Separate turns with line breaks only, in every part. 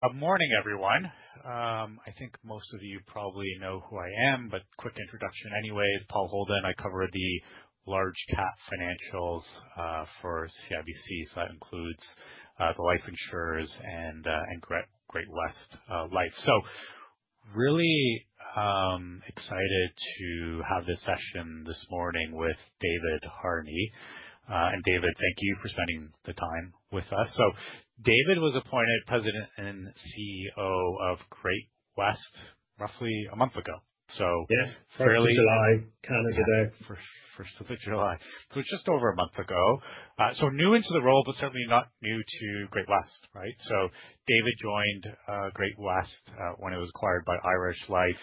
Good morning, everyone. I think most of you probably know who I am, but quick introduction anyways. Paul Holden. I cover the large cap financials for CIBC. That includes the life insurers and Great-West Lifeco. Really excited to have this session this morning with David Harney. David, thank you for spending the time with us. David was appointed President and CEO of Great-West roughly a month ago.
Early July, Kind of the day.
First of July. It's just over a month ago, so new into the role, but certainly not new to Great-West, right? David joined Great-West when it was acquired by Irish Life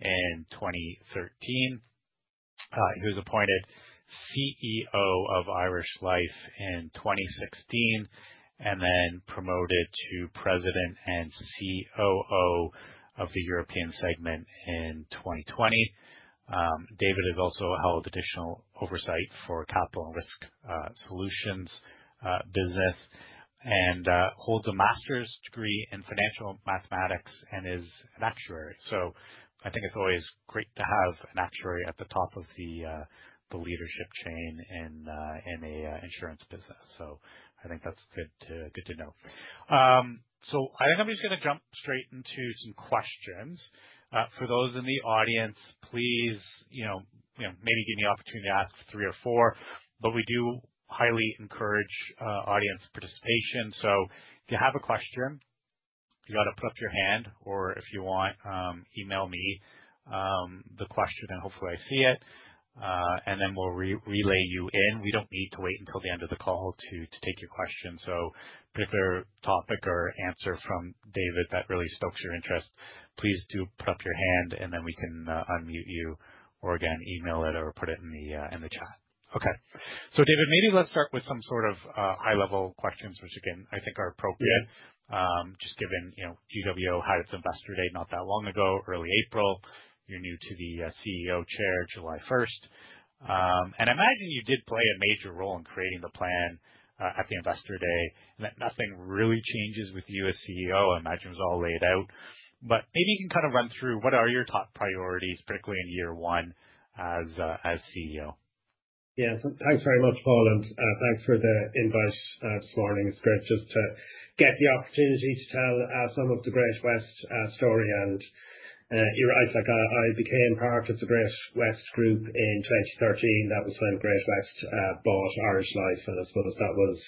in 2013. He was appointed CEO of Irish Life in 2016 and then promoted to President and CEO of the European segment in 2020. David has also held additional oversight for capital and risk solutions business and holds a master's degree in financial mathematics and is an actuary. I think it's always great to have an actuary at the top of the leadership chain in an insurance business. I think that's good to know. I think I'm just going to jump straight into some questions. For those in the audience, please maybe give me the opportunity to ask three or four, but we do highly encourage audience participation. If you have a question, you have to put up your hand or if you want, email me the question and hopefully I see it, and then we'll relay you in. We don't need to wait until the end of the call to take your question. If there's a particular topic or answer from David that really stokes your interest, please do put up your hand and then we can unmute you or again, email it or put it in the chat. Okay. David, maybe let's start with some sort of high-level questions, which again, I think are appropriate just given, you know, Great-West Lifeco had its Investor Day not that long ago, early April. You're new to the CEO chair, July 1st, and I imagine you did play a major role in creating the plan at the Investor Day and that nothing really changes with you as CEO. I imagine it was all laid out. Maybe you can kind of run through what are your top priorities, particularly in year one as CEO?
Yeah, so thanks very much, Paul, and thanks for the invite this morning. It's great just to get the opportunity to tell some of the Great-West story. You're right. I became part of the Great-West Group in 2013. That was when Great-West bought Irish Life. I suppose that was,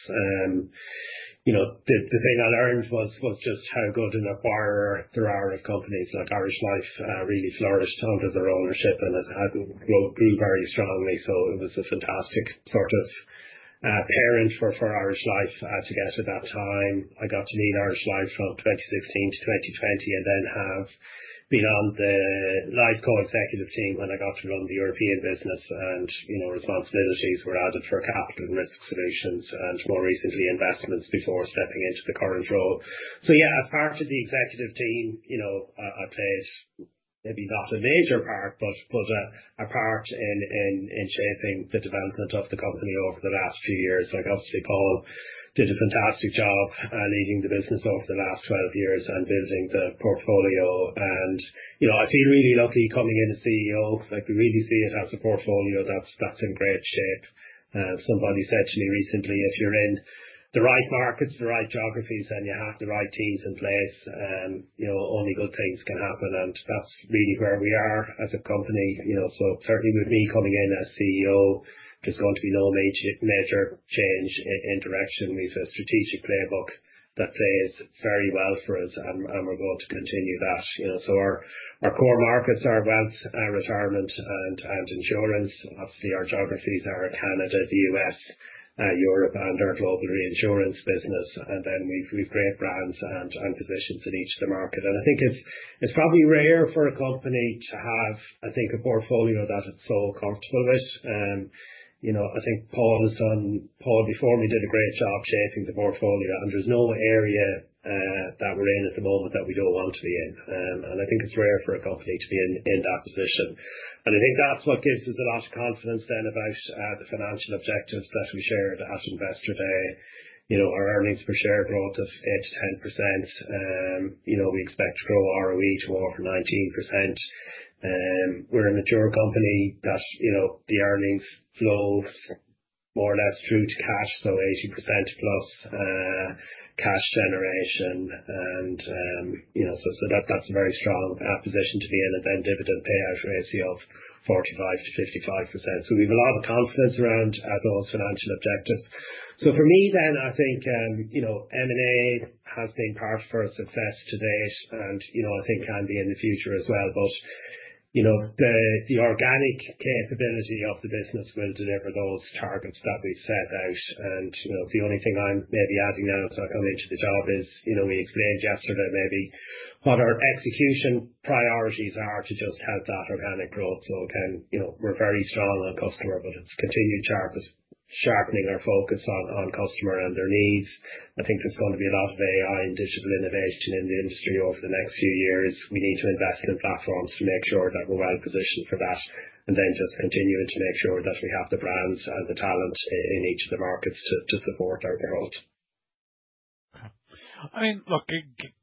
you know, the thing I learned was just how good an acquirer they are of companies like Irish Life, which really flourished under their ownership and had been grown very strongly. It was a fantastic sort of experience for Irish Life to get to that time. I got to lead Irish Life from 2015 to 2020 and then have been on the Lifeco executive team when I got to run the European business. Responsibilities were as a trade hub and risk solutions and more recently investments before stepping into the current role. Yeah, a part of the executive team, I'd say it's maybe not the major part, but was a part in shaping the development of the company over the last few years. I got to see Paul did a fantastic job leading the business over the last 12 years and building the portfolio. I feel really lucky coming in as CEO. I can really see it as a portfolio that's in great shape. Somebody said to me recently, if you're in the right markets, the right geographies, and you have the right teams in place, only good things can happen. That's really where we are as a company. Certainly with me coming in as CEO, there's going to be no major change in direction. It's a strategic playbook that plays very well for us and we're going to continue that. Our core markets are retirement and insurance. Obviously, our geographies are Canada, the U.S., Europe, and our global reinsurance business. We've great brands and positions in each of the markets. I think it's probably rare for a company to have a portfolio that is so customized. I think Paul and Paul before me did a great job shaping the portfolio. There's no area that we're in at the moment that we don't want to be in. I think it's rare for a company to be in that position. I think that's what gives us a lot of confidence then about the financial objectives that we shared at Investor Day. Our earnings per share growth is 10%. We expect to grow our ROE to more than 19%. We're a mature company. That's, you know, the earnings flow more or less through to cash, so 80%, cash generation. That's a very strong position to be in. The dividend payout ratio of 45%-55%. We have a lot of confidence around those financial objectives. For me then, I think, you know, M&A has been part for success to date. I think it can be in the future as well. The organic capability of the business will deliver those targets that we set out. The only thing I'm maybe adding now as I come into the job is, you know, we explained yesterday maybe what our execution priorities are to just help that organic growth. Again, you know, we're very strong on customer abilities. Continue sharpening our focus on customer and their needs. I think there's going to be a lot of AI and digital innovation in the industry over the next few years. We need to invest in platforms to make sure that we're well positioned for that. Just continuing to make sure that we have the brands and the talents in each of the markets to support our growth.
I mean, look,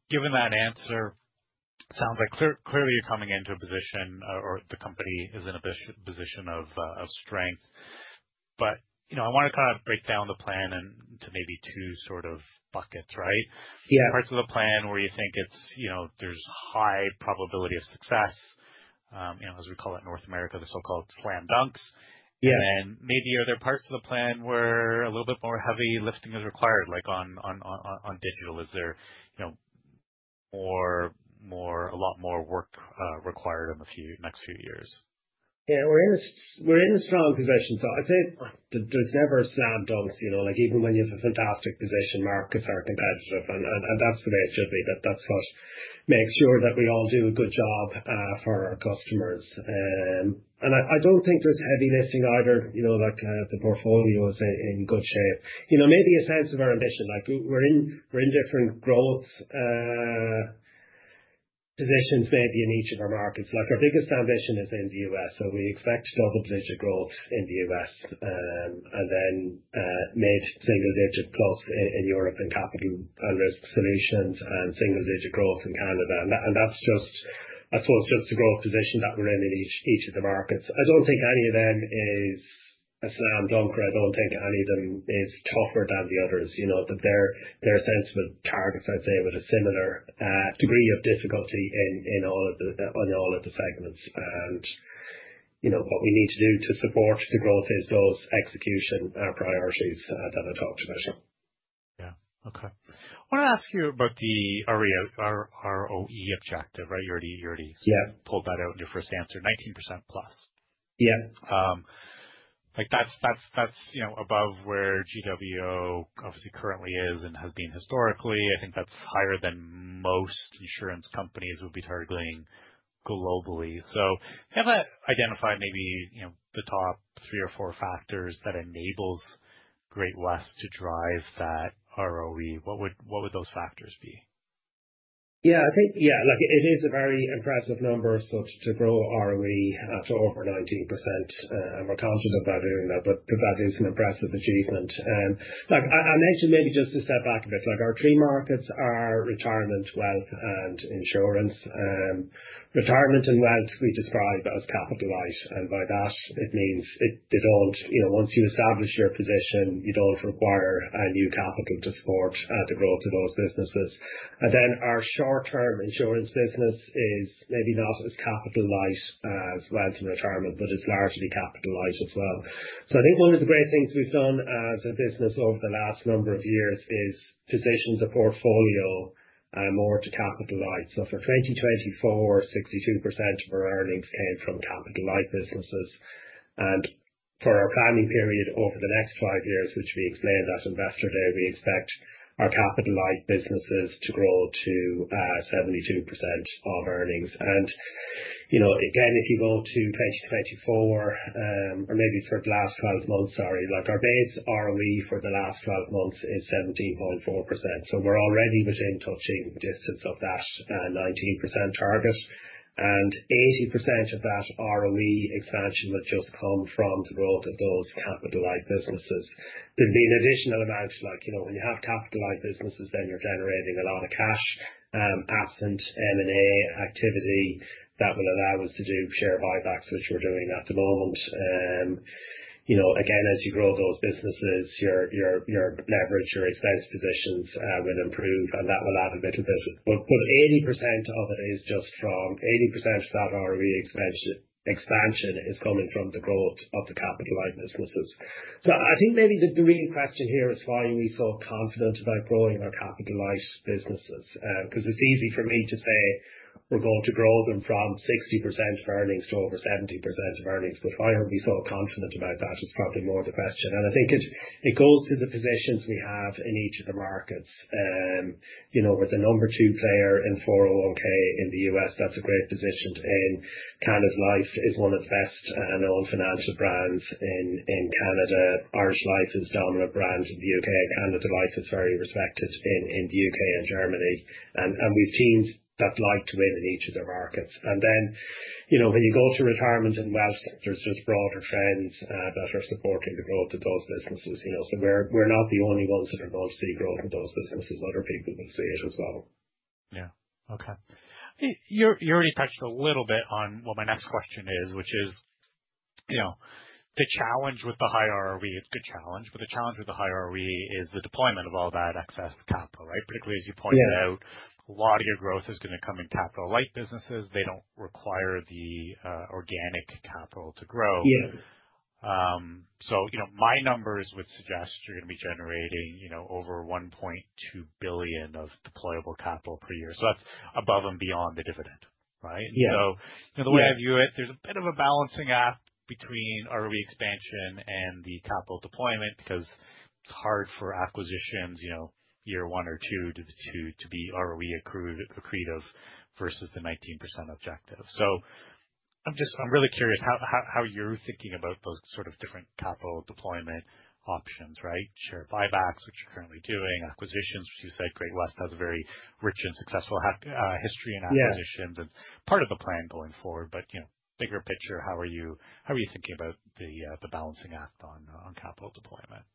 given that answer, it sounds like clearly you're coming into a position or the company is in a position of strength. I want to kind of break down the plan into maybe two sort of buckets, right?
Yeah.
Parts of the plan where you think it's, you know, there's high probability of success, as we call it in North America, the so-called slam dunks.
Yeah.
Are there parts of the plan where a little bit more heavy lifting is required, like on digital? Is there more, a lot more work required in the next few years?
Yeah, we're in a strong position. I'd say there's never a slam dunk, you know, like even when you have a fantastic position, markets are competitive. That's the way it should be. That's what makes sure that we all do a good job for our customers. I don't think there's heavy lifting either, you know, like the portfolio is in good shape. Maybe a sense of our ambition, like we're in different growth positions, maybe in each of our markets. Our biggest ambition is in the U.S. We expect double-digit growth in the U.S., and then maybe single-digit plus in Europe in capital and risk solutions and single-digit growth in Canada. That's just, I suppose, that's the growth position that we're in in each of the markets. I don't think any of them is a slam dunk. I don't think any of them is tougher than the others. They're sensible targets, I'd say, with a similar degree of difficulty in all of the segments. What we need to do to support the growth is those execution priorities that I talked about.
Yeah. Okay. I want to ask you about the ROE objective, right? You already pulled that out in your first answer, 19%+.
Yeah.
That's above where GWO obviously currently is and has been historically. I think that's higher than most insurance companies would be targeting globally. If I have to identify maybe the top three or four factors that enabled Great-West to drive that ROE, what would those factors be?
Yeah, I think, yeah, like it is a very impressive number. To grow ROE for over 19%, and we're confident about doing that, that is an impressive achievement. Like I mentioned, maybe just to step back a bit, our three markets are retirement, wealth, and insurance. Retirement and wealth, we describe as capital-light. By that, it means they don't, you know, once you establish your position, you don't require new capital to support the growth of those businesses. Our short-term insurance business is maybe not as capital-light as wealth and retirement, but it's largely capital-light as well. I think one of the great things we've done as a business over the last number of years is position the portfolio more to capital-light. For 2024, 62% of our earnings came from capital-light businesses. For our planning period over the next five years, which we explained at Investor Day, we expect our capital-light businesses to grow to 72% of earnings. Again, if you go to 2024, or maybe for the last 12 months, sorry, our base ROE for the last 12 months is 17.4%. We're already within touching distance of that 19% target. 80% of that ROE expansion would just come from the growth of those capital-light businesses. There'd be an additional amount, like, you know, when you have capital-light businesses, then you're generating a lot of cash, absent M&A activity that will allow us to do share buybacks, which we're doing at the moment. Again, as you grow those businesses, your leverage, your expense positions will improve, and that will add a bit of business. 80% of that ROE expansion is coming from the growth of the capital-light businesses. I think maybe the big question here is why are we so confident about growing our capital-light businesses? Because it's easy for me to say we're going to grow them from 60% of earnings to over 70% of earnings. Why are we so confident about that? It's probably more the question. I think it goes to the positions we have in each of the markets. You know, with the number two player in 401(k) in the U.S., that's a great position. Canada Life is one of the best known financial brands in Canada. Irish Life is a dominant brand in the U.K., and the device is very respected in the U.K. and Germany. We've seen that's liked to win in each of their markets. When you go to retirement and wealth, there are just broader trends that are supporting the growth of those businesses. We're not the only ones that are going to see growth of those businesses. Other people can see it as well.
Yeah. Okay. I mean, you already touched a little bit on what my next question is, which is, you know, the challenge with the high ROE, the challenge with the high ROE is the deployment of all that excess capital, right? Particularly as you pointed out, a lot of your growth is going to come in capital-light businesses. They don't require the organic capital to grow.
Yeah.
My numbers would suggest you're going to be generating over $1.2 billion of deployable capital per year. That's above and beyond the dividend, right?
Yeah.
The way I view it, there's a bit of a balancing act between ROE expansion and the capital deployment because it's hard for acquisitions, you know, year one or two to be ROE accretive versus the 19% objective. I'm really curious how you're thinking about both sort of different capital deployment options, right? Share buybacks, which you're currently doing, acquisitions, which you said Great-West has a very rich and successful history in acquisitions and part of the plan going forward. Bigger picture, how are you thinking about the balancing act on capital deployment?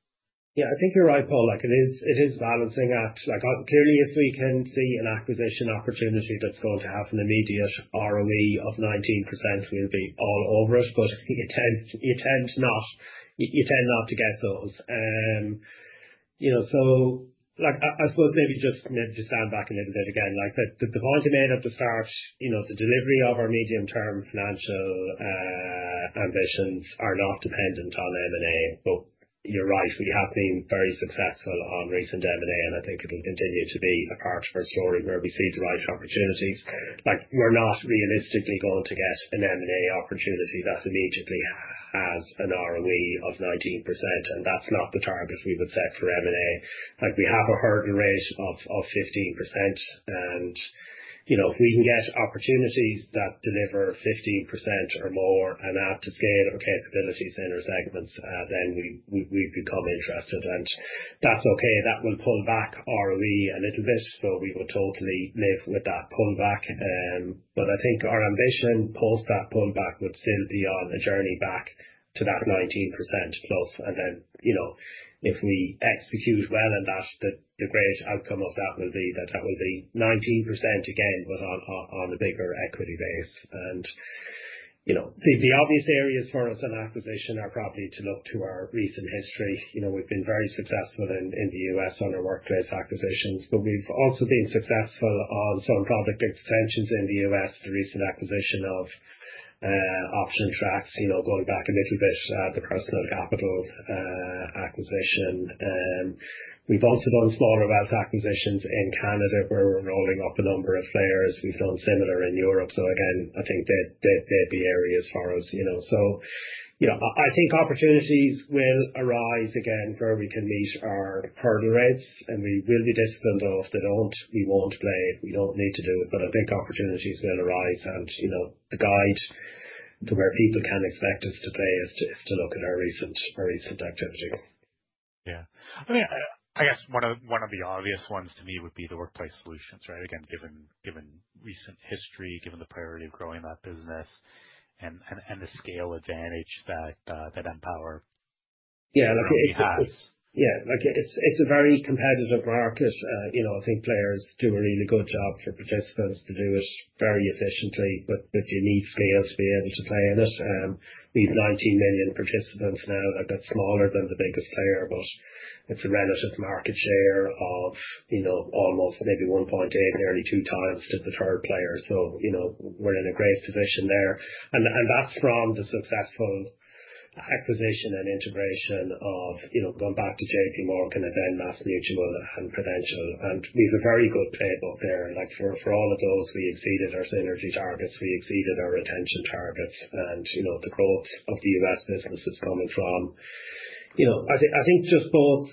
Yeah, I think you're right, Paul. It is balancing acts. Opportunity is we can see an acquisition opportunity that's going to have an immediate ROE of 19% will be all over it. I think it tends not, you tend not to get those. I suppose maybe just maybe just sound back a little bit again. The point I made at the start, the delivery of our medium-term financial ambitions are not dependent on M&A. You're right. We have been very successful on recent M&A, and I think it will continue to be a part of our story where we see device opportunities. We're not realistically going to get an M&A opportunity that immediately has an ROE of 19%. That's not the targets we would set for M&A. We have a hurdle rate of 15%. If we can get opportunities that deliver 15% or more and add to scale of capabilities in our segments, then we've become interested. That's okay. That will pull back ROE a little bit. We will totally live with that pullback. I think our ambition post that pullback would still be on a journey back to that 19%+. If we execute well, then the greatest outcome of that will be that that will be 19% again with all the bigger equity base. The obvious areas for us on acquisition are probably to look to our recent history. We've been very successful in the U.S. on our workplace acquisitions. We've also been successful on some public goods attentions in the US, the recent acquisition of Options Facts, going back a little bit to add the Personal Capital acquisition. We've also done smaller wealth acquisitions in Canada growing only up a number of players. We've done similar in Europe. I think that the areas for us, I think opportunities will arise again where we can meet our hurdle rates, and we will be disciplined off. They don't, we won't play, we don't need to do it. I think opportunities will arise. The guide to where people can expect us to play is to look at our recent, our recent activity.
Yeah. I mean, I guess one of the obvious ones to me would be the workplace solutions, right? Again, given recent history, given the priority of growing that business, and the scale advantage that Empower has.
Yeah, like it's a very competitive market. I think players do a really good job for participants to do it very efficiently, but you need scale to be able to play in it. We have 19 million participants now that are smaller than the biggest player, but it's a relative market share of almost maybe 1.8, nearly 2x to the third players. We're in a great position there. That's from the successful acquisition and integration of, going back to JPMorgan and then MassMutual and Prudential Financial. We have a very good playbook there. For all of those, we exceeded our synergy targets, we exceeded our retention targets, and the growth of the U.S. business is coming from both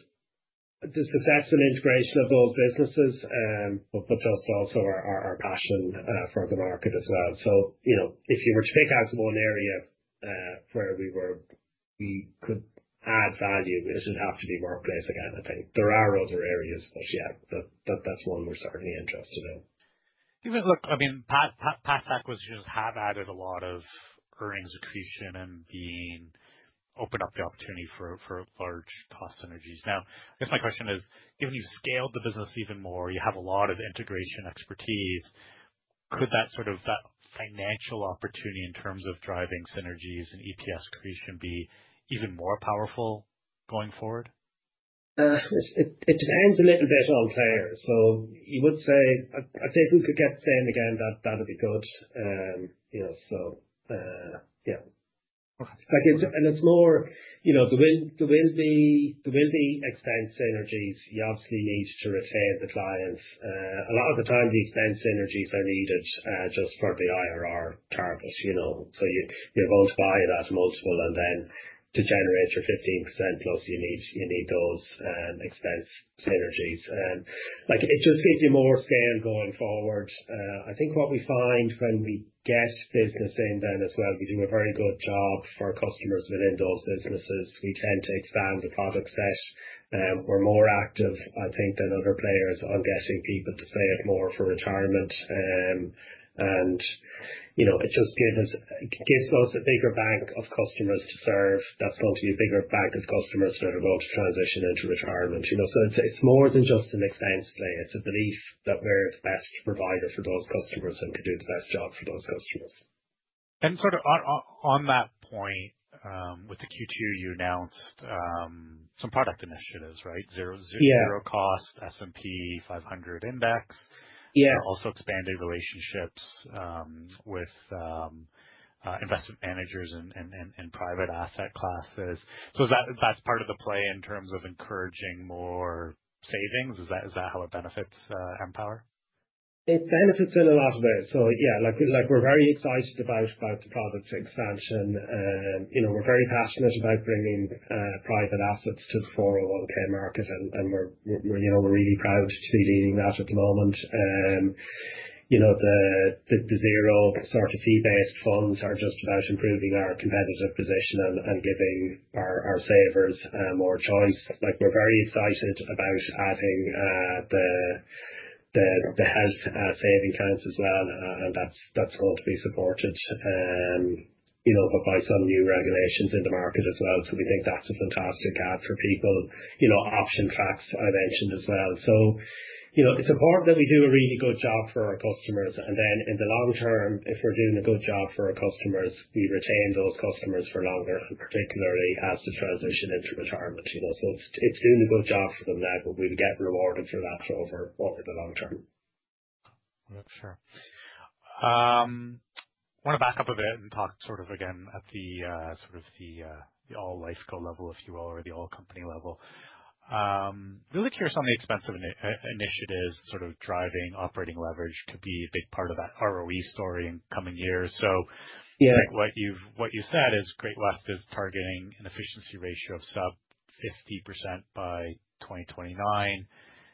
the successful integration of both businesses, but also our passion for the market as well. If you were to pick out one area where we could add value, it doesn't have to be workplace again. I think there are other areas, but yet, that's one we're certainly interested in.
Given, I mean, past acquisitions have added a lot of earnings at the future and opened up the opportunity for large cost synergies. Now, I guess my question is, given you've scaled the business even more, you have a lot of integration expertise, could that sort of financial opportunity in terms of driving synergies and EPS creation be even more powerful going forward?
It depends a little bit on the player. I'd say if we could get 10% again, that would be good. It's more, you know, the windy expense synergies, you obviously need to retain the clients. A lot of the time, the expense synergies are needed just for the IRR purpose. You're going to buy it as multiple, and then to generate your 15%+, you need those expense synergies. It just gives you more scale going forward. I think what we find when we get business in then as well, we do a very good job for customers within those businesses. We tend to expand the product best. We're more active, I think, than other players. I'm guessing people play it more for retirement. It gives us a bigger bank of customers to serve. That's going to be a bigger bank of customers that are going to transition into retirement. It's more than just an expense play. It's a belief that we're the best provider for those customers and to do the best job for those customers.
On that point, with the Q2, you announced some product initiatives, right? Zero cost S&P 500 index.
Yeah.
Also to band-aid relationships with investment managers and private asset classes. That's part of the play in terms of encouraging more savings. Is that how it benefits Empower?
It benefits in a lot of ways. We're very excited about the product expansion, and we're very passionate about bringing private assets to the 401(k) market. We're really proud to be leading that at the moment. The zero sort of fee-based funds are just about improving our competitive position and giving our savers more choice. We're very excited about adding the health savings accounts as well. That's supposed to be supported by some new regulations in the market as well. We think that's a fantastic path for people. Option Facts I mentioned as well. It's important that we do a really good job for our customers. In the long term, if we're doing a good job for our customers, we retain those customers for longer, particularly as they transition into retirement. It's doing a good job for them now, but we would get rewarded for that over only the long term.
Sure. I want to back up a bit and talk sort of again at the sort of the all-Lifeco level, if you will, or the all-company level. Really curious on the expense initiatives sort of driving operating leverage to be a big part of that ROE story in coming years. Yeah, like what you've, what you said is Great-West is targeting an efficiency ratio of sub 50% by 2029.
Yeah.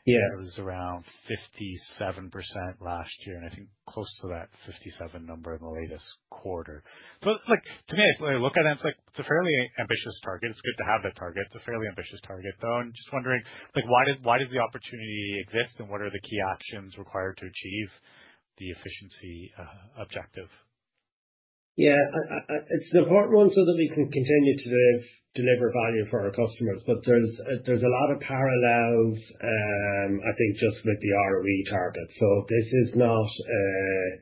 It was around 57% last year, and I think close to that 57% number in the latest quarter. It's like, today, when I look at it, it's a fairly ambitious target. It's good to have that target. It's a fairly ambitious target, though. I'm just wondering, why does the opportunity exist, and what are the key actions required to achieve the efficiency objective?
Yeah, it's the hard one so that we can continue to deliver value for our customers. There's a lot of parallels, I think, just with the ROE target. This is not, you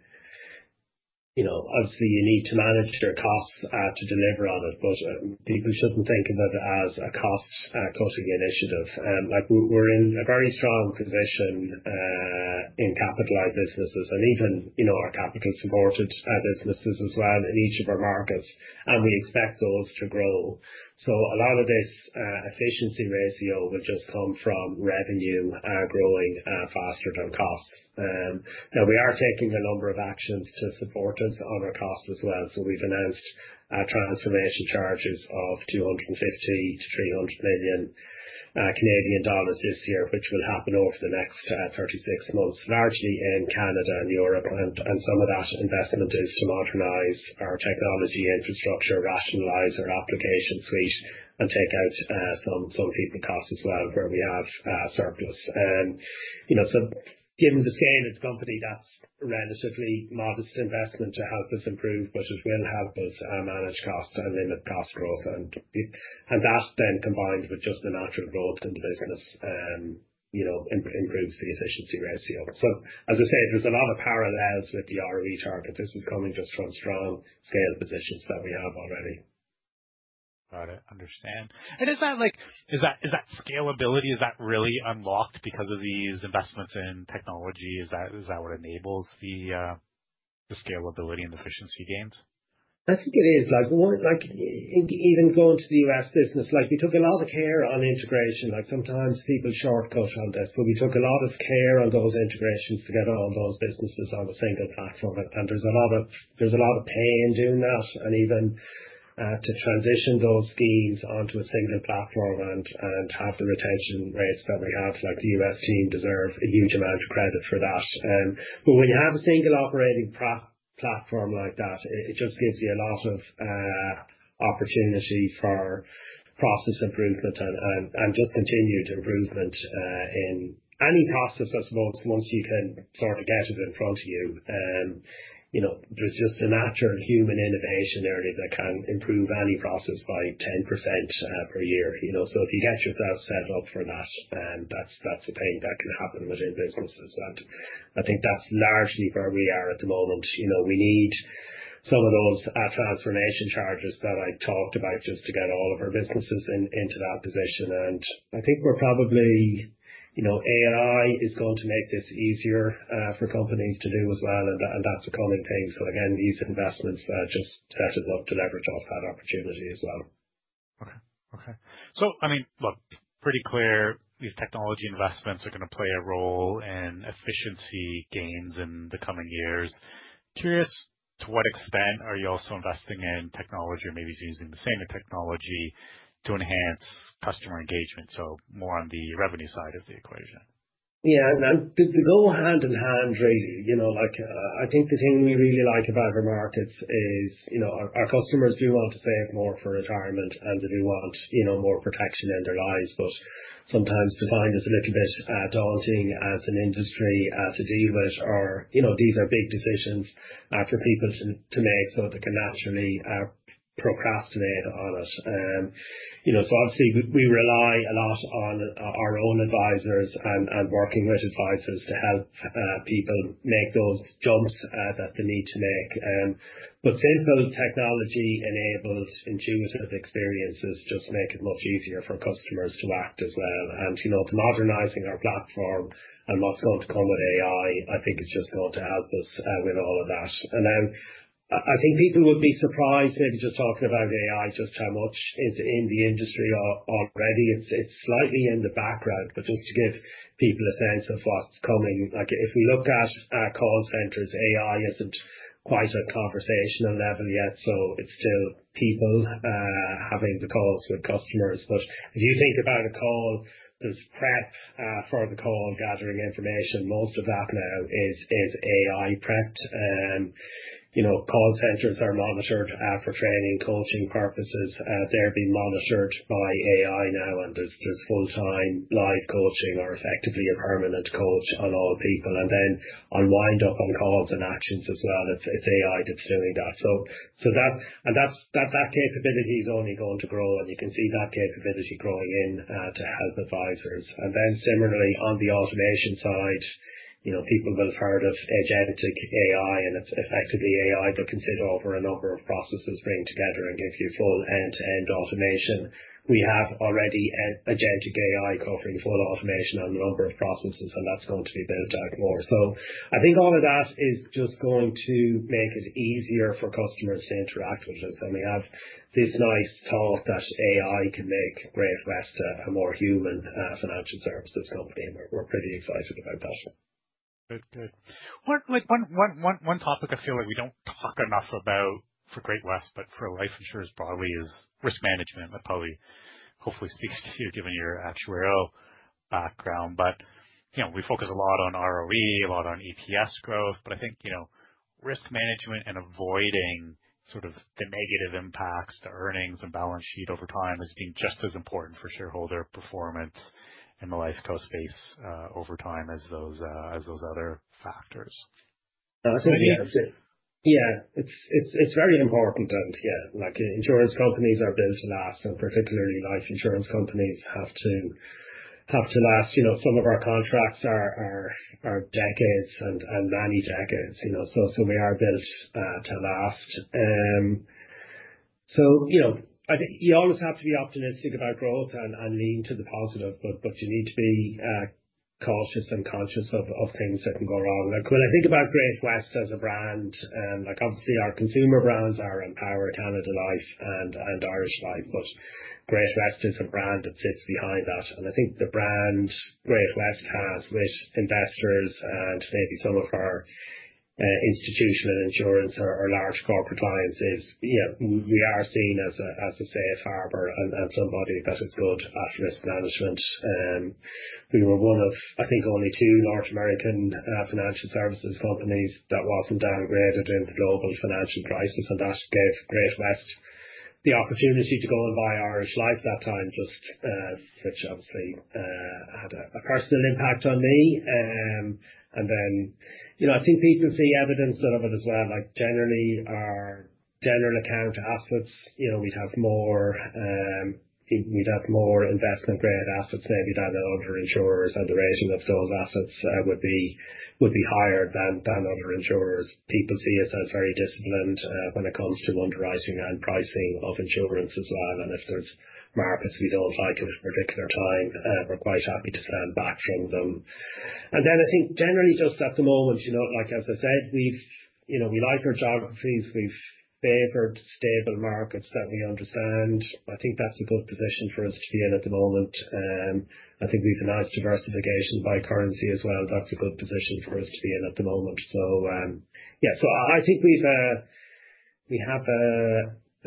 know, obviously, you need to manage their costs to deliver on it. People shouldn't think of it as a cost-cutting initiative. We're in a very strong position in capital-light businesses, and even, you know, our capital-supported businesses as well in each of our markets. We expect those to grow. A lot of this efficiency ratio will just come from revenue growing faster than cost. We are taking a number of actions to support it on our cost as well. We've announced transformation charges of 250 million-300 million Canadian dollars this year, which will happen over the next 36 months, largely in Canada and Europe. Some of that investment is to modernize our technology infrastructure, rationalize our application suite, and take out some of the costs as well where we have surplus. Given the scale of the company, that's a relatively modest investment to help us improve, but it will help us manage costs and limit cost growth. That's then combined with just the natural growth in the business, you know, improves the efficiency ratio. As I said, there's a lot of parallels with the ROE target. This is coming just from strong scale positions that we have already.
Got it. Understand. Is that scalability? Is that really unlocked because of these investments in technology? Is that what enables the scalability and efficiency gains?
I think it is. Even going to the U.S. business, we took a lot of care on integration. Sometimes people shortcut on this, but we took a lot of care on those integrations to get all those businesses on a single platform. There's a lot of pain doing that. Even to transition those teams onto a single platform and have the retention rates that we have, the U.S. team deserves a huge amount of credit for that. When you have a single operating platform like that, it gives you a lot of opportunity for process improvement and continued improvement in any process. That's about once you can sort of get it in front of you. There's just a natural human innovation area that can improve any process by 10% per year. If you get yourself set up for that, that's a pain that can happen within businesses. I think that's largely where we are at the moment. We need some of those transformation charges that I talked about just to get all of our businesses into that position. I think we're probably, you know, AI is going to make this easier for companies to do as well. That's a common thing. These investments just look to leverage off that opportunity as well.
Okay. Pretty clear these technology investments are going to play a role in efficiency gains in the coming years. Curious to what extent are you also investing in technology or maybe using the same technology to enhance customer engagement? More on the revenue side of the equation.
Yeah, no, the goal hand in hand really. I think the thing we really like about our markets is our customers do want to save more for retirement and they do want more protection in their lives. Sometimes the bind is a little bit daunting as an industry, as dealers are, these are big decisions for people to make so they can naturally procrastinate on it. Obviously, we rely a lot on our own advisors and working with advisors to help people make those jumps that they need to make. The same kind of technology enables intuitive experiences that just make it much easier for customers to act as well. Modernizing our platform and what's going to come with AI, I think it's just going to help us with all of that. I think people would be surprised maybe just talking about AI, just how much is in the industry already. It's slightly in the background, but just to give people a sense of what's coming, if we look at call centers, AI isn't quite at a conversational level yet. It's still people having the calls with customers. If you think about a call, there's prep for the call, gathering information. Most of that now is AI prepped. Call centers are monitored for training and coaching purposes. They're being monitored by AI now. There's full-time live coaching or effectively a permanent coach on all people, and then on wind-up on calls and actions as well. It's AI that's doing that. That capability is only going to grow. You can see that capability growing in to help advisors. Similarly, on the automation side, people will have heard of agentic AI, and it's effectively AI, but considered over a number of processes being together and gives you full end-to-end automation. We have already agentic AI covering full automation on a number of processes, and that's going to be built out more. I think all of that is just going to make it easier for customers to interact with it. We have this nice thought that AI can make Great-West Lifeco a more human financial services company, and we're pretty excited about that.
Good, good. One topic I feel like we don't talk enough about for Great-West Lifeco, but for life insurers broadly, is risk management. Paul, hopefully this speaks to you given your actuarial background. We focus a lot on ROE, a lot on EPS growth. I think risk management and avoiding the negative impacts to earnings and balance sheet over time has been just as important for shareholder performance in the LifeCo space over time as those other factors.
Yeah, it's very important then. Yeah, like insurance companies are built to last, and particularly life insurance companies have to last. Some of our contracts are decades and many decades. We are built to last. You always have to be optimistic about growth and lean to the positive, but you need to be cautious and conscious of things that can go wrong. When I think about Great-West as a brand, obviously our consumer brands are Empower, Canada Life, and Irish Life, but Great-West is a brand that sits behind that. I think the brand Great-West Lifeco has with investors and maybe some of our institutional insurance or large corporate clients is, we are seen as a safe harbor and somebody that is good at risk management. We were one of, I think, only two large American financial services companies that wasn't downgraded during the global financial crisis. That gave Great-West Lifeco the opportunity to go and buy Irish Life at that time, which obviously had a personal impact on me. I think people see evidence of it as well. Generally, our general account assets, we'd have more, we'd have more investment-grade assets maybe than other insurers. The ratings of those assets would be higher than other insurers. People see us as very disciplined when it comes to underwriting and pricing of insurance as well. If there's markets we don't like in a particular find, we're quite happy to stand back from them. I think generally just at the moment, as I said, we like our services. We've favored stable markets that we understand. I think that's a good position for us to be in at the moment. We've announced diversification by currency as well. That's a good position for us to be in at the moment. I think we have a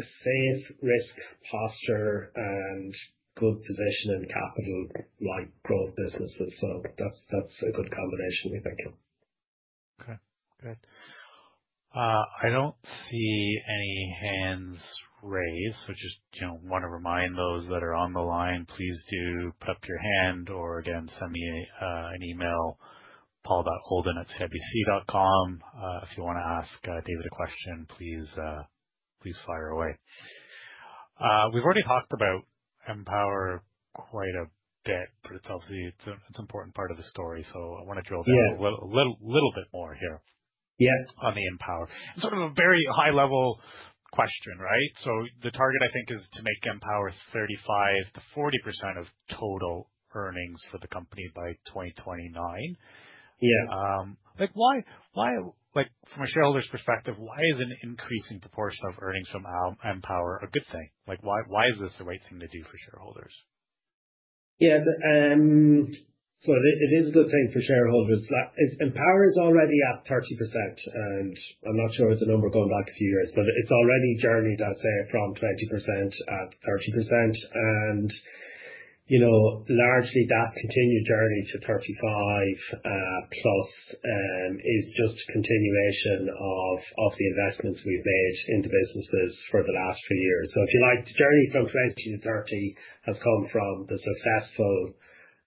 safe risk posture and good position in the capital-light growth business as well. That's a good combination, I think.
Okay, good. I don't see any hands raised. I just want to remind those that are on the line, please do put up your hand or, again, send me an email, Paul.holden@cibc.com. If you want to ask David a question, please, please fire away. We've already talked about Empower quite a bit. It's obviously an important part of the story. I want to drill a little bit more here.
Yeah.
On Empower, a very high-level question, right? The target, I think, is to make Empower 35%-40% of total earnings for the company by 2029.
Yeah.
Why, from a shareholder's perspective, is an increasing proportion of earnings from Empower a good thing? Why is this the right thing to do for shareholders?
Yeah, so it is a good thing for shareholders. Empower is already at 30%, and I'm not sure of the number going back a few years, but it's already journeyed, I'd say, from 20%-30%. Largely, that continued journey to 35%+ is just a continuation of the investments we've made into businesses for the last few years. If you like the journey from 20%-30%, that's come from the successful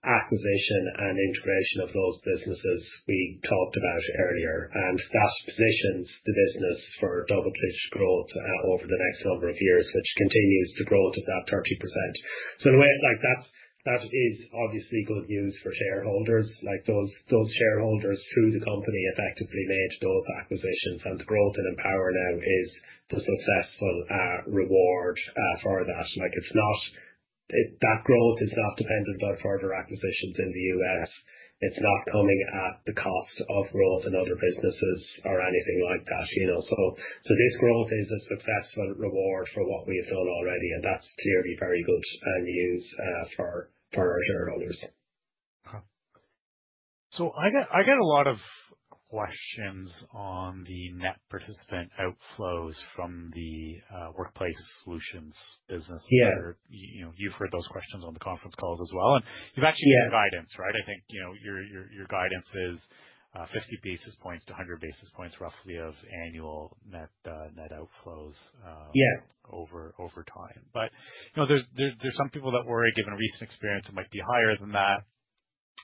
acquisition and integration of those businesses we talked about earlier. That's positioned the business for double-digit growth over the next number of years, which continues to grow to that 30%. In a way, that is obviously good news for shareholders. Those shareholders through the company effectively made those acquisitions, and the growth in Empower now is the successful reward for that. That growth is not dependent on further acquisitions in the U.S. It's not coming at the cost of growth in other businesses or anything like that. This growth is a successful reward for what we've done already, and that's clearly very good news for our shareholders.
I get a lot of questions on the net participant outflows from the workplace solutions business.
Yeah.
You've heard those questions on the conference calls as well. You've actually given guidance, right? I think your guidance is 50 basis points, 100 basis points roughly of annual net participant outflows.
Yeah.
Over time, there are some people that worry given a recent experience it might be higher than that.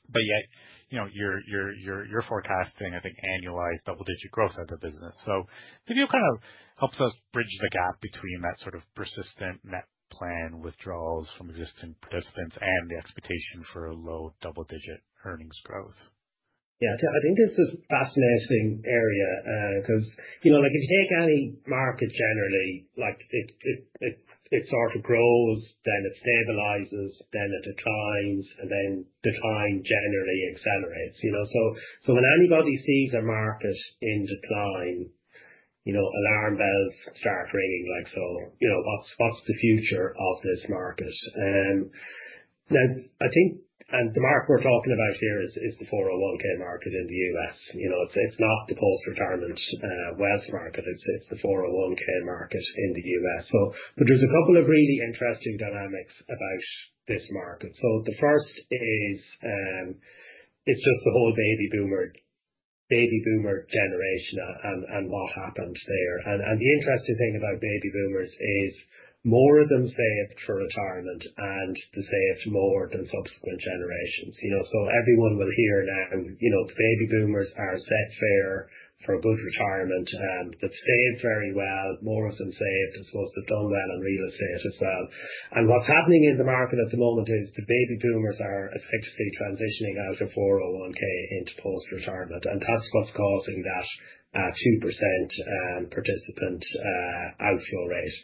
Yet, you're forecasting, I think, annualized double-digit growth at the business. Can you kind of help us bridge the gap between that sort of persistent net plan withdrawals from existing participants and the expectation for a low double-digit earnings growth?
Yeah, I think it's this fascinating area because, you know, like in the day-to-day market generally, it sort of grows, then it stabilizes, then it declines, and then decline generally accelerates. When anybody sees a market in decline, alarm bells start ringing. Like, what's the future of this market? Now I think, and the market we're talking about here is the 401(k) market in the U.S. It's not the post-retirement wealth market. It's the 401(k) market in the U.S. There's a couple of really interesting dynamics about this market. The first is it's just the whole baby boomer generation and what happens there. The interesting thing about baby boomers is more of them save for retirement and they save more than subsequent generations. Everyone will hear now, baby boomers are set fair for a good retirement that saves very well. More of them save as well as they've done well in real estate as well. What's happening in the market at the moment is the baby boomers are essentially transitioning out of 401(k) into post-retirement. That's what's causing that 2% participant outflow rate.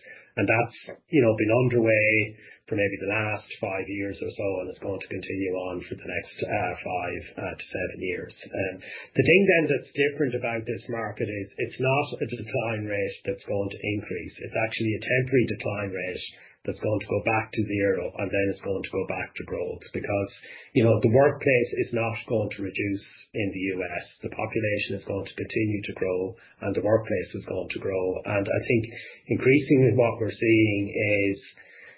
That's been underway for maybe the last five years or so. It's going to continue on for the next five to seven years. The thing then that's different about this market is it's not a decline rate that's going to increase. It's actually a temporary decline rate that's going to go back to zero. It's going to go back to growth because the workplace is not going to reduce in the U.S. The population is going to continue to grow and the workplace is going to grow. I think increasingly what we're seeing is,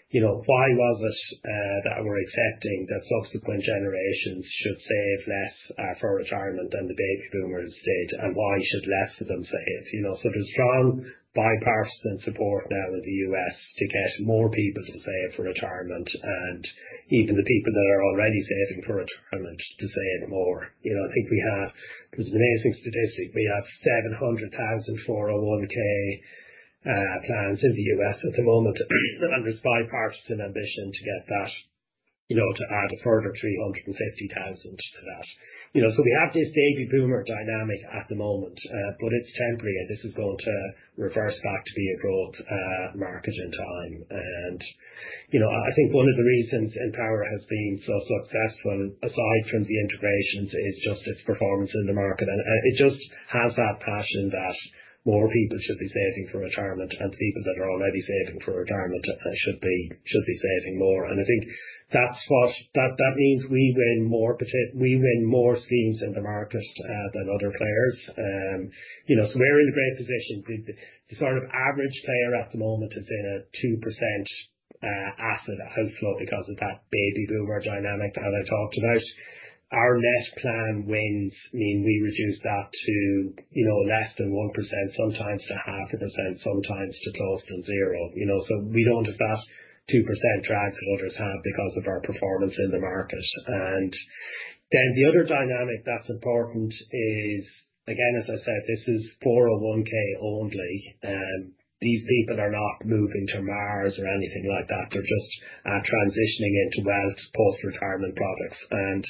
why was it that we're accepting that subsequent generations should save less for retirement than the baby boomers did? Why should less of them save? There's strong bipartisan support now in the U.S. to get more people to save for retirement and even the people that are already saving for retirement to save more. I think we have, there's an amazing statistic. We have 700,000 401(k) plans in the U.S. at the moment. There's bipartisan ambition to get that, to add a further 350,000 to that. We have this baby boomer dynamic at the moment, but it's temporary. This is going to reverse back to be a growth market in time. I think one of the reasons Empower has been so successful, aside from the integrations, is just its performance in the market. It just has that passion that more people should be saving for retirement and people that are already saving for retirement should be saving more. I think that's what that means. We win more schemes in the markets than other players, so we're in a great position. The sort of average player at the moment is in a 2% asset outflow because of that baby boomer dynamic that I talked about. Our net plan wins mean we reduce that to less than 1%, sometimes to 0.5%, sometimes to close to zero. We know that 2% drives what others have because of our performance in the markets. The other dynamic that's important is, again, as I said, this is 401(k) only. These people are not moving to Mars or anything like that. They're just transitioning into wealth post-retirement products.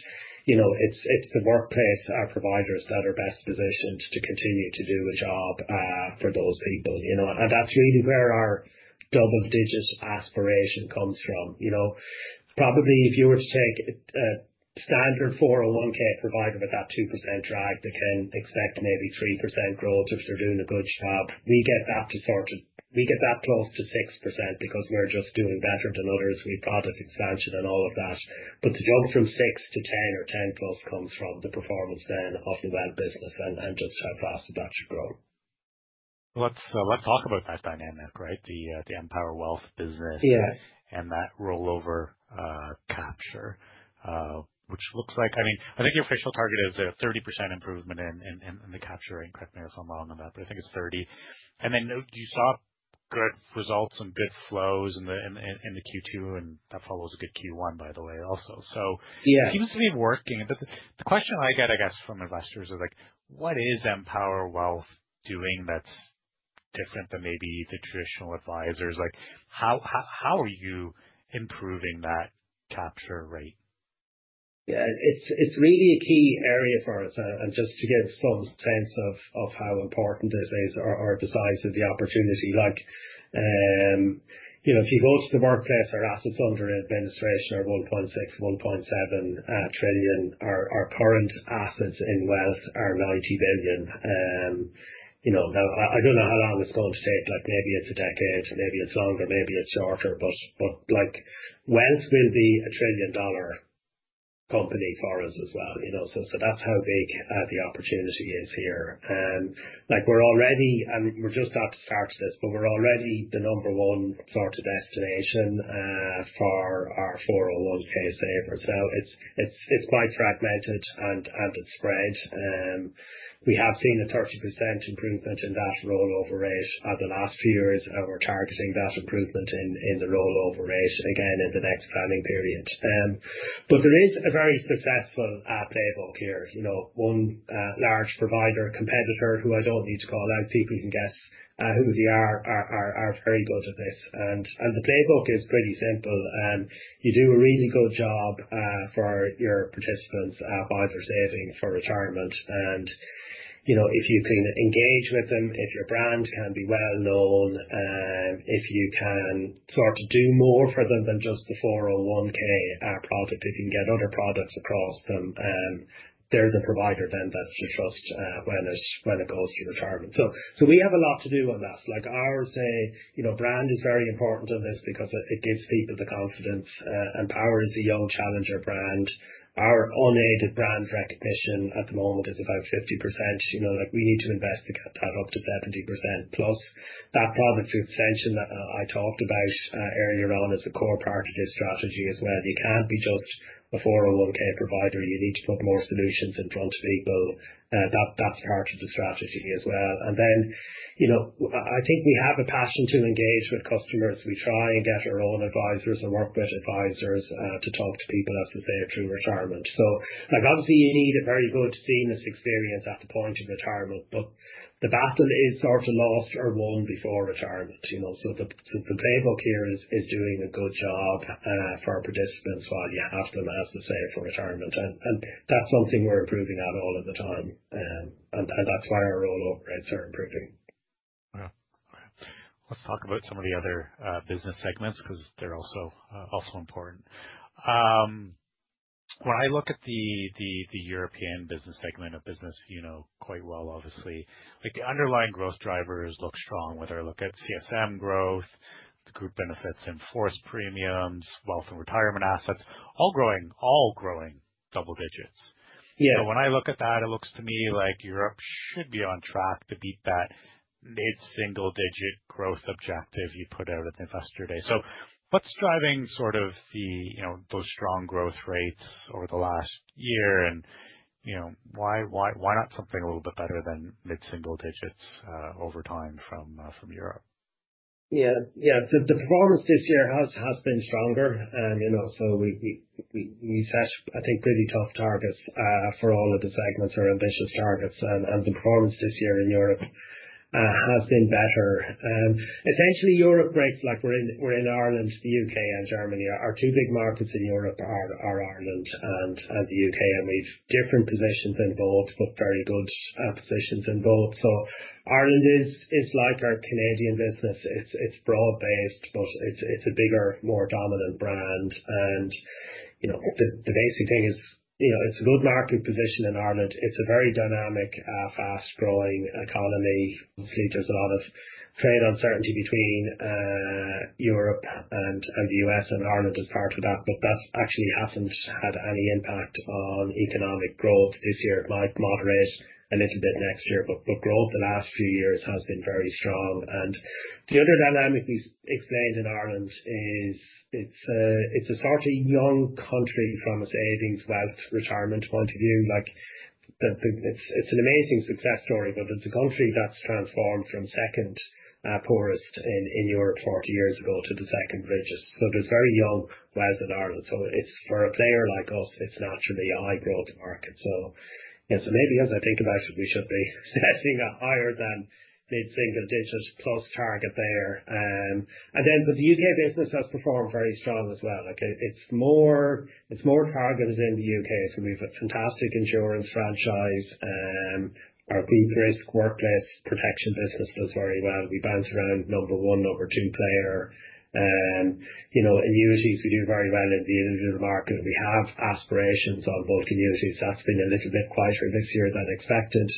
It's the workplace, our providers that are best positioned to continue to do a job for those people. That's really where our double-digit aspiration comes from. Probably if you were to take a standard 401(k) provider with that 2% drive, they can expect maybe 3% growth if they're doing a good job. We get that close to 6% because we're just doing better than others with product expansion and all of that. To jump from 6%-10% or 10%+ comes from the performance then of the wealth business and just how fast that should grow.
Let's talk about that dynamic, right? The Empower wealth business.
Yeah.
That rollover capture, which looks like, I mean, I think the official target is a 30% improvement in the capture rate. Correct me if I'm wrong on that, but I think it's 30%. I know you saw good results and good flows in Q2, and that follows a good Q1, by the way, also. It seems to be working. The question I get, I guess, from investors is, what is Empower Wealth doing that's different than maybe the traditional advisors? How are you improving that capture rate?
Yeah, it's really a key area for us. Just to get a close sense of how important this is, our desire to the opportunity. Like, you know, if you go to the market, our assets under administration are $1.6, $1.7 trillion. Our current assets in wealth are $90 billion. I don't know how long it's going to take. Maybe it's a decade, maybe it's longer, maybe it's shorter. Wealth will be a trillion-dollar company for us as well. That's how big the opportunity is here. We're already, and we're just about to start this, but we're already the number one sort of destination for our 401(k) savers. Now, it's quite fragmented and it spreads. We have seen a 30% improvement in that rollover rate in the last few years, and we're targeting that improvement in the rollover rate again in the next planning period. There is a very successful playbook here. One large provider, competitor, who I don't need to call out, see if you can guess who they are, are very good at this. The playbook is pretty simple. You do a really good job for your participants while they're saving for retirement. If you can engage with them, if your brand can be well known, and if you can do more for them than just the 401(k) product, if you can get other products across them, they're the provider then that's your trust when it goes to retirement. We have a lot to do on that. Our, say, brand is very important in this because it gives people the confidence. Empower is a young challenger brand. Our unaided brand recognition at the moment is about 50%. We need to invest to get that up to 70%+, that's why the extension that I talked about earlier on is a core part of this strategy as well. You can't be just a 401(k) provider. You need to put more solutions in front of people. That's part of the strategy as well. I think we have a passion to engage with customers. We try and get our own advisors and work with advisors to talk to people as they say through retirement. Obviously, you need a very good seamless experience at the point of retirement. The battle is sort of lost or won before retirement. The playbook here is doing a good job for our participants while you have them as they save for retirement. That's something we're improving at all of the time. That's why our rollover rates are improving.
Let's talk about some of the other business segments because they're also important. When I look at the European business segment of business, you know quite well, obviously. The underlying growth drivers look strong. Whether I look at CSM growth, the group benefits in-force premiums, wealth and retirement assets, all growing, all growing double digits.
Yeah.
When I look at that, it looks to me like Europe should be on track to beat that mid-single-digit growth objective you put out at Investor Day. What's driving those strong growth rates over the last year? You know, why not something a little bit better than mid-single digits over time from Europe?
Yeah, the performance this year has been stronger. We set, I think, pretty tough targets for all of the segments or ambitious targets. The performance this year in Europe has been better. Essentially, Europe breaks, like we're in Ireland, the U.K., and Germany. Our two big markets in Europe are Ireland and the U.K. We have different positions in both, but very good positions in both. Ireland is like our Canadian business. It's broad-based, but it's a bigger, more dominant brand. The basic thing is, it's a good market position in Ireland. It's a very dynamic, fast-growing economy. Obviously, there's a lot of trade uncertainty between Europe and the U.S. and Ireland as part of that. That actually hasn't had any impact on economic growth this year. It might moderate a little bit next year. Growth the last few years has been very strong. The other dynamic we've experienced in Ireland is it's a sort of young country from a savings, wealth, retirement point of view. It's an amazing success story, but it's a country that's transformed from second poorest in Europe 40 years ago to the second richest. There's very young wealth in Ireland. It's where they are like us. It's naturally a high growth market. Maybe as I think about it, we should be setting a higher than mid-single digit plus target there. The U.K business has performed very strong as well. It's more targeted in the U.K. We've got a fantastic insurance franchise. Our big risk workplace protection business does very well. We bounce around number one, number two player. Annuities we do very well in the market. We have aspirations on both annuities. That's been a little bit quieter this year than expected,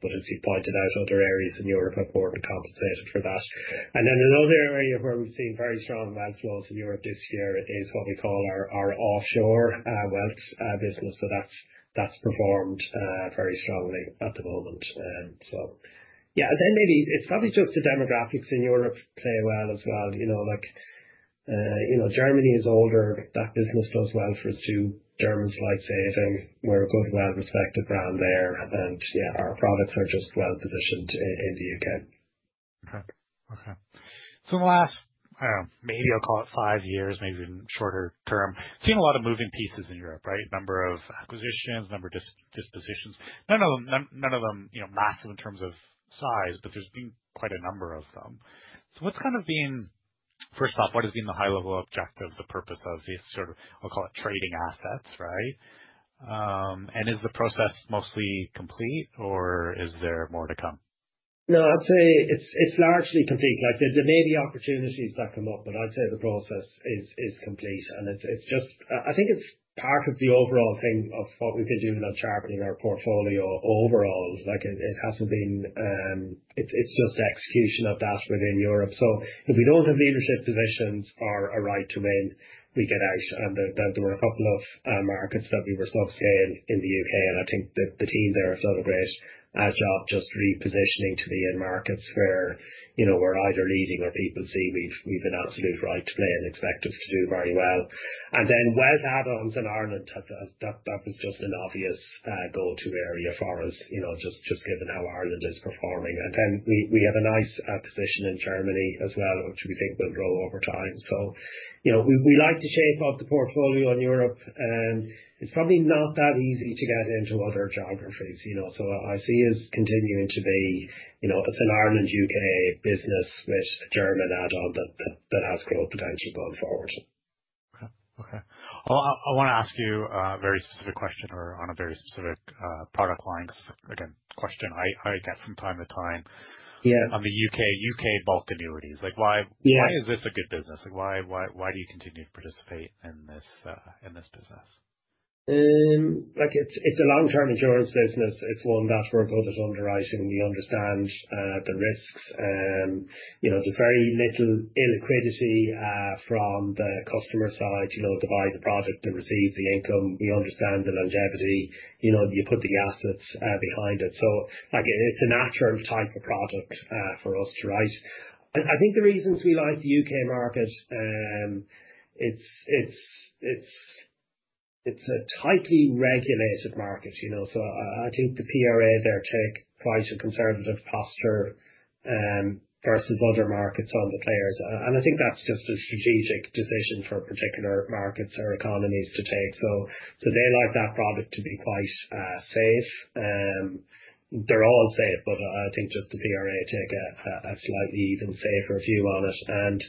but as you pointed out, other areas in Europe are more compensated for that. Another area where we've seen very strong wealth flows in Europe this year is what we call our offshore wealth business. That's performed very strongly at the moment. Maybe it's probably just the demographics in Europe play well as well. Germany is older. That business does well for two. Germans like saving. We're a good, well-respected brand there. Our products are just well positioned in the U.K.
Okay. In the last, maybe I'll call it five years, maybe even shorter term, seen a lot of moving pieces in Europe, right? A number of acquisitions, a number of dispositions. None of them, you know, massive in terms of size, but there's been quite a number of them. What's kind of been, first off, what has been the high-level objective, the purpose of these sort of, I'll call it trading assets, right? Is the process mostly complete or is there more to come?
No, I'd say it's largely complete. There may be opportunities that come up, but I'd say the process is complete. It's just, I think it's part of the overall thing of what we've been doing on sharpening our portfolio overall. It hasn't been, it's just the execution of that within Europe. If we don't have leadership positions or a right to win, we get out. There were a couple of markets that we were supposed to be in in the U.K. I think that the team there has done a great job just repositioning to be in markets where we're either leading or people see we've been absolutely right to play and expect us to do very well. Wealth add-ons in Ireland, that was just an obvious go-to area for us, just given how Ireland is performing. We had a nice acquisition in Germany as well, which we think will grow over time. We like to shape up the portfolio in Europe. It's probably not that easy to get into other geographies. I see us continuing to be the Ireland-U.K. business, with a German add-on that has growth potential going forward.
Okay. I want to ask you a very specific question on a very specific product line. Again, question I get from time to time.
Yeah.
On the U.K. bulk annuities, why is this a good business? Why do you continue to participate in this business?
It's a long-term insurance business. It's one that we're going to underwrite. We understand the risks and the very little illiquidity from the customer side to buy the product, to receive the income. We understand the longevity, you put the assets behind it. It's a natural type of product for us to write. I think the reasons we like the U.K. market, it's a tightly regulated market. I think the PRA there takes quite a conservative posture versus other markets on the players. I think that's just a strategic decision for particular markets or economies to take. They like that product to be quite safe. They're all safe, but I think that the PRA takes a slightly even safer view on it.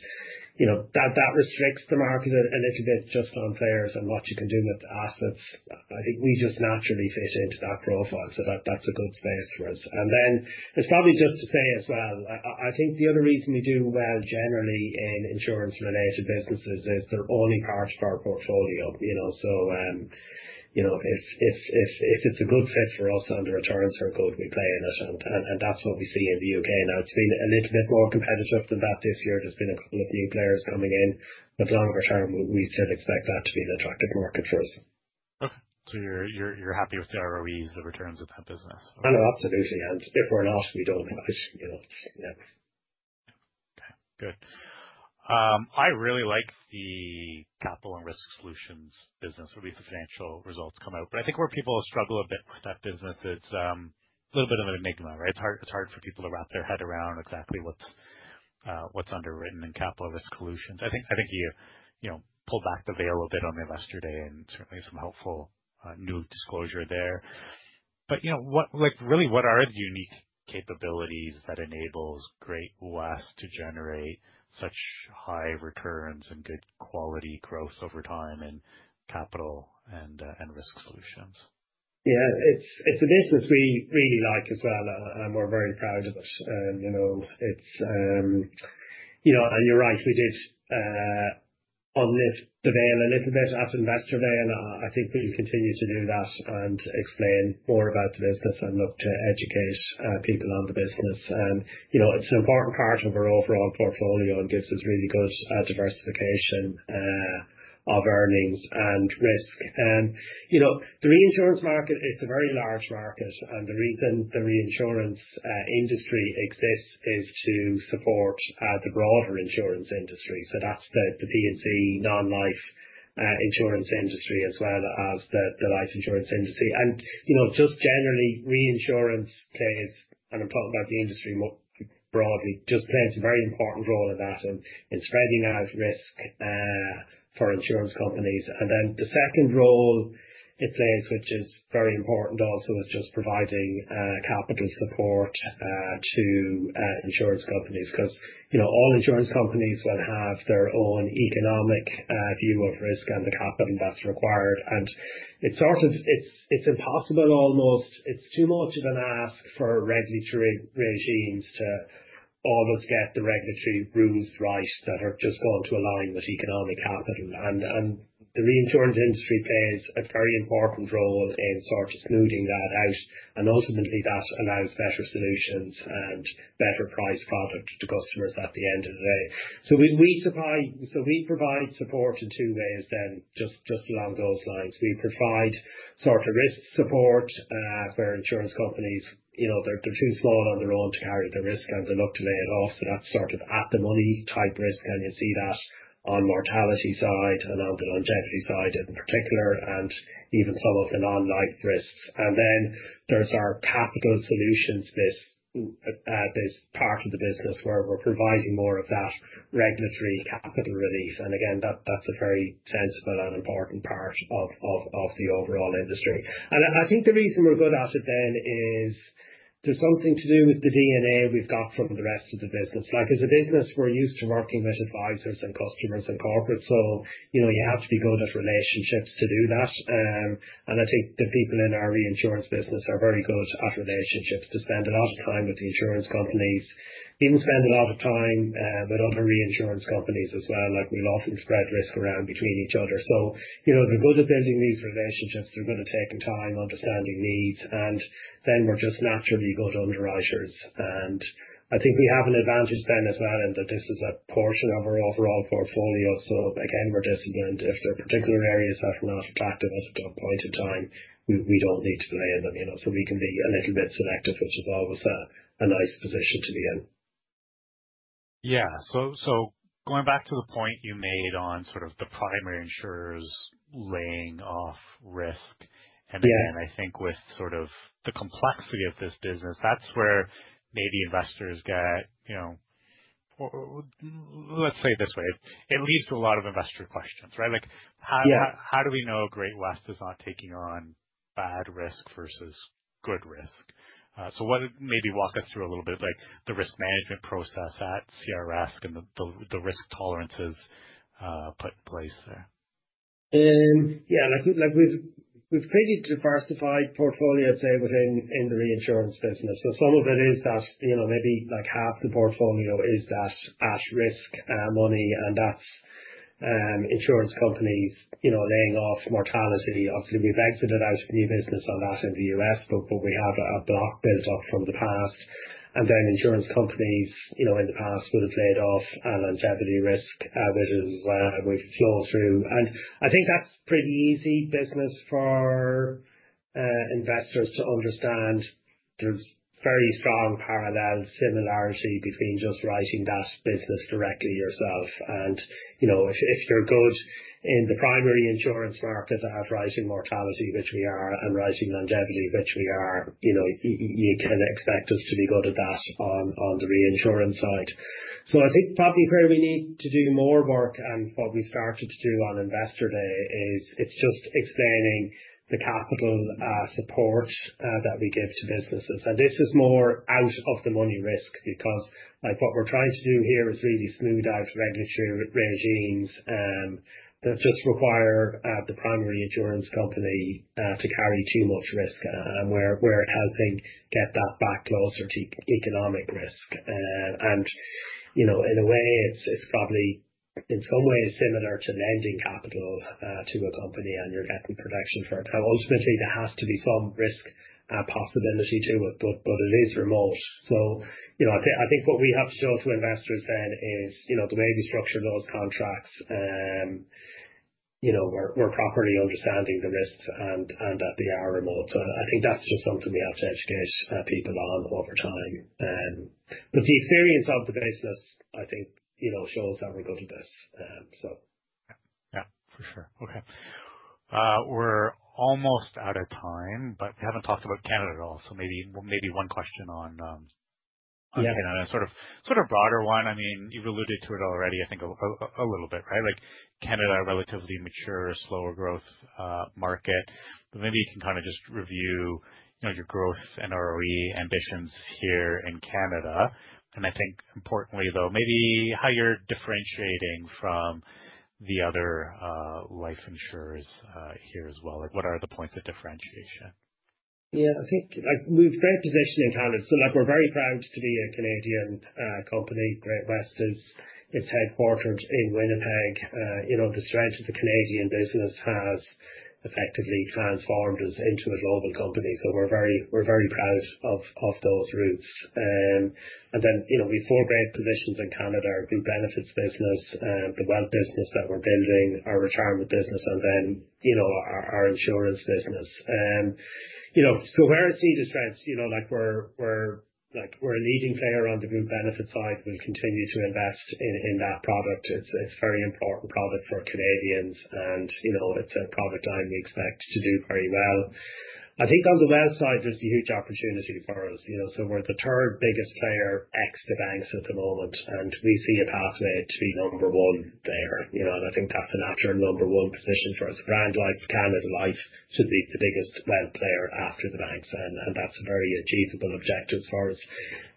That restricts the market a little bit just on players and what you can do with the assets. I think we just naturally fit into that profile. That's a good space for us. It's probably just to say as well, I think the other reason we do well generally in insurance-related businesses is they're only part of our portfolio. It's a good fit for us under a term for a company playing us. That's what we see in the U.K. now. It's been a little bit more competitive than that this year. There's been a few players coming in. Longer term, we still expect that to be the attractive market for us.
Okay. You're happy with the ROEs, the returns of that business?
Oh, no, absolutely. If we're lost, we don't lose.
Good. I really like the capital and risk solutions business. When financial results come out, I think where people struggle a bit with that business is it's a little bit of an enigma, right? It's hard for people to wrap their head around exactly what's underwritten in capital and risk solutions. I think you pulled back the veil a bit on Investor Day and certainly some helpful new disclosure there. What are the unique capabilities that enable Great-West to generate such high returns and good quality growth over time in capital and risk solutions?
Yeah, it's a business we really like as well. We're very proud of it. You're right, we did unlift the veil a little bit at Investor Day. I think we continue to do that and explain more about the business and look to educate people on the business. It's an important part of our overall portfolio. This is really good diversification of earnings and risk. The reinsurance market is a very large market. The reason the reinsurance industry exists is to support the broader insurance industry. That's the P&C, non-life insurance industry as well as the life insurance industry. Generally, reinsurance plays an important role in the industry more broadly. It just plays a very important role in spreading out risk for insurance companies. The second role it plays, which is very important also, is just providing capital support to insurance companies. All insurance companies will have their own economic view of risk and the capital that's required. It's impossible almost. It's too much of an ask for regulatory regimes to almost get the regulatory rules right that are just going to align with economic capital. The reinsurance industry plays a very important role in smoothing that out. Ultimately, that allows better solutions and better price product to customers at the end of the day. We provide support in two ways then, just along those lines. We provide sort of risk support where insurance companies, they're too small on their own to carry the risk and they look to lay it off. That's sort of at the money type risk. You see that on the mortality side and on the longevity side in particular, and even some of the non-life risks. Then there's our capital solutions space, this part of the business where we're providing more of that regulatory capital release. Again, that's a very sensible and important part of the overall industry. I think the reason we're good at it then is there's something to do with the DNA we've got from the rest of the business. As a business, we're used to working with advisors and customers and corporates. You have to be good at relationships to do that. I think the people in our reinsurance business are very good at relationships. They spend a lot of time with the insurance companies, even spend a lot of time with other reinsurance companies as well. We often spread risk around between each other. They're good at building these relationships. They're good at taking time, understanding needs. We're just naturally good underwriters. I think we have an advantage then as well in that this is a portion of our overall portfolio. We're disciplined. If there are particular areas that are not attractive at a good point in time, we don't need to play in them. We can be a little bit selective as well. It's a nice position to be in.
Yeah. Going back to the point you made on the primary insurers laying off risk, I think with the complexity of this business, that's where maybe investors get, you know, let's say it this way. It leads to a lot of investor questions, right? Like how do we know Great-West is not taking on bad risk versus good risk? Maybe walk us through a little bit, like the risk management process at CRF and the risk tolerances put in place there.
Yeah, like we've created a diversified portfolio, I'd say, within the reinsurance business. Some of it is that, you know, maybe like half the portfolio is at risk money. That's insurance companies, you know, laying off mortality. Obviously, we've exited out of the new business on that in the U.S., but we have a block built up from the past. Insurance companies, you know, in the past would have laid off a longevity risk within where we've flown through. I think that's a pretty easy business for investors to understand. There's very strong parallel similarity between just writing that business directly yourself. If you're good in the primary insurance market at writing mortality, which we are, and writing longevity, which we are, you can expect us to be good at that on the reinsurance side. I think probably where we need to do more work and what we started to do on Investor Day is just explaining the capital support that we give to businesses. This is more out of the money risk because what we're trying to do here is really smooth out regulatory regimes that just require the primary insurance company to carry too much risk. We're helping get that back closer to economic risk. In a way, it's probably in some ways similar to lending capital to a company and your debt to production for it. Ultimately, there has to be some risk possibility to it, but it is remote. I think what we have to show to investors then is the way we structure those contracts, we're properly understanding the risks and that they are remote. I think that's just something we have to educate people on over time. The experience of the business, I think, shows how we go to this.
Yeah, for sure. Okay. We're almost out of time, but we haven't talked about Canada at all. Maybe one question on, yeah, and a sort of broader one. I mean, you've alluded to it already, I think, a little bit, right? Canada is a relatively mature, slower growth market. Maybe you can kind of just review your growth and ROE ambitions here in Canada. I think importantly, though, maybe how you're differentiating from the other life insurers here as well. What are the points of differentiation?
Yeah, I think we've created a position in Canada. We're very proud to be a Canadian company. Great-West is headquartered in Winnipeg. The strength of the Canadian business has effectively transformed us into a global company. We're very proud of those roots. We have four great positions in Canada: our group benefits business, the wealth business that we're building, our retirement business, and our insurance business. Where I see the strengths, we're a leading player on the group benefits side. We continue to invest in that product. It's a very important product for Canadians. It's a product line we expect to do very well. I think on the wealth side, there's a huge opportunity for us. We're the third biggest player ex the banks at the moment, and we see a pathway to be number one there. I think that's an opportunity for a number one position for us. A brand like Canada Life should be the biggest wealth player after the banks, and that's a very achievable objective for us.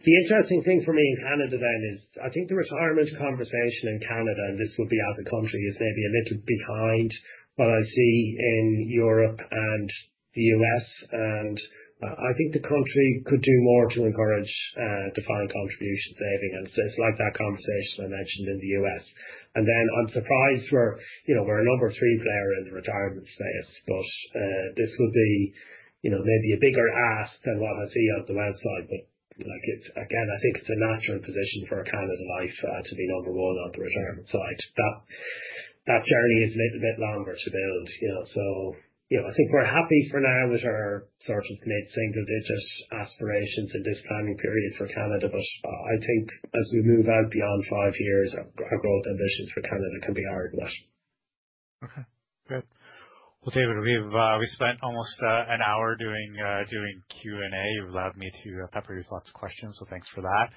The interesting thing for me in Canada is I think the retirement conversation in Canada, and this would be out of the country, is maybe a little bit behind what I see in Europe and the U.S. I think the country could do more to encourage defined contributions to savings. It's like that conversation I mentioned in the U.S. I'm surprised we're a number three player in the retirement space. This would be maybe a bigger ask than what I see on the wealth side, but it's, again, I think it's a natural position for a Canada Life to be number one on the retirement side. That journey is a little bit longer to build. I think we're happy for now with our sort of mid-single digit aspirations and discounting periods for Canada. I think as we move out beyond five years, our growth ambitions for Canada can be hardened.
Okay, good. David, we've spent almost an hour doing Q&A. You've allowed me to pepper you with lots of questions, so thanks for that.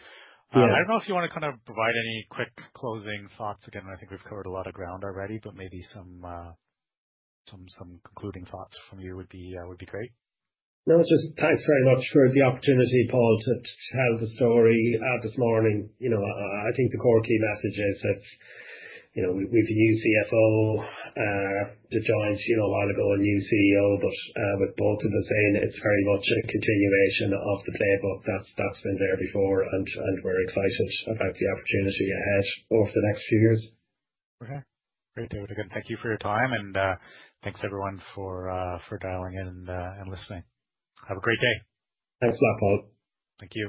Yeah.
I don't know if you want to kind of provide any quick closing thoughts. I think we've covered a lot of ground already, but maybe some concluding thoughts from you would be great.
No, it's just thanks very much for the opportunity, Paul, to tell the story this morning. I think the core key message is that we've used CFO to join a while ago, a new CEO. With both of us saying it's very much a continuation of the playbook that's been there before, we're excited about the opportunity ahead over the next few years.
Okay. All right, David, again, thank you for your time. Thanks everyone for dialing in and listening. Have a great day.
Thanks a lot, Paul.
Thank you.